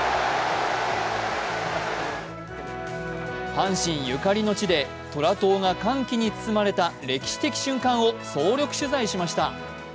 阪神ゆかりの地で虎党が歓喜に包まれた歴史的瞬間を総力取材しました。